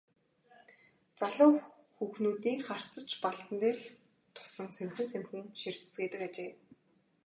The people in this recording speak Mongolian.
Залуу хүүхнүүдийн харц ч Балдан дээр л тусан сэмхэн сэмхэн ширтэцгээдэг ажээ.